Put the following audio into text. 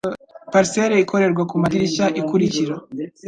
Parcelle ikorerwa kumadirishya ikurikira.